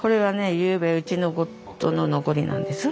ゆうべうちの残りなんです。